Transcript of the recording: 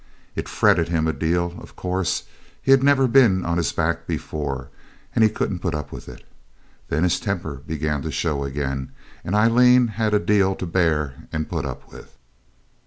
It fretted him a deal, of course; he'd never been on his back before, and he couldn't put up with it. Then his temper began to show again, and Aileen had a deal to bear and put up with.